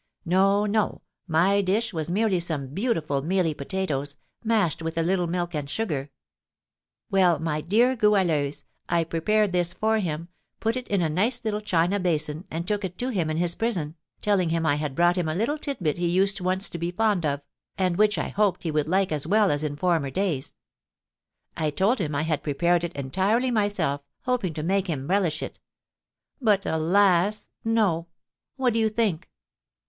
No, no, my dish was merely some beautiful mealy potatoes, mashed with a little milk and sugar. Well, my dear Goualeuse, I prepared this for him, put it in a nice little china basin and took it to him in his prison, telling him I had brought him a little titbit he used once to be fond of, and which I hoped he would like as well as in former days. I told him I had prepared it entirely myself, hoping to make him relish it. But alas, no! What do you think?"